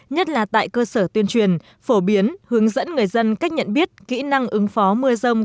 nhất là tại cơ sở tuyên truyền phổ biến hướng dẫn người dân cách nhận biết kỹ năng ứng phó mưa rông